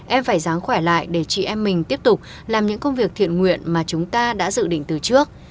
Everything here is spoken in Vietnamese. em phải dáng khỏe lại để chị em mình tiếp tục làm những công việc thiện nguyện mà chúng ta đã dự định từ trước